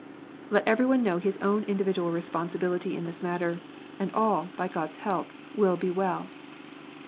Let every one know his own individual responsibility in this matter ; and all, by God s help, will be well.